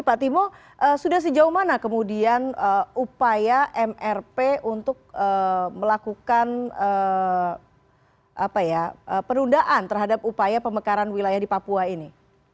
pak timo sudah sejauh mana kemudian upaya mrp untuk melakukan penundaan terhadap upaya pemekaran wilayah di papua ini